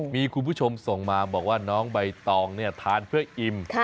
มีคุณผู้ชมส่งมาบอกว่าน้องใบตองทานเพื่ออิ่ม